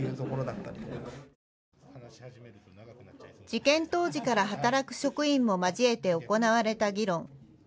事件当時から働く職員も交えて行われた議論。